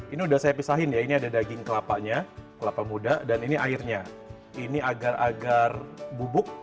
ini udah saya pisahin ya ini ada daging kelapanya kelapa muda dan ini airnya ini agar agar bubuk